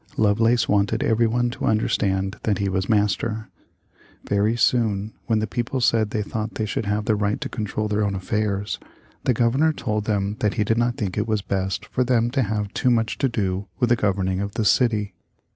Lovelace wanted everyone to understand that he was master. Very soon, when the people said they thought they should have the right to control their own affairs, the Governor told them that he did not think it was best for them to have too much to do with the governing of the city.